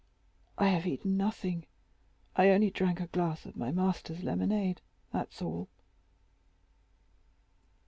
"I have eaten nothing; I only drank a glass of my master's lemonade—that's all."